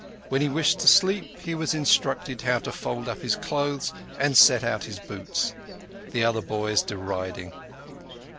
When he wished to sleep he was instructed how to fold up his clothes and set out his boots; the other boys deriding.